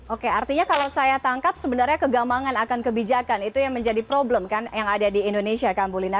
oke artinya kalau saya tangkap sebenarnya kegambangan akan kebijakan itu yang menjadi problem kan yang ada di indonesia kan bu lina